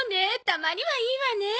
たまにはいいわね。